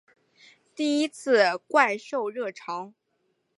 第一次怪兽热潮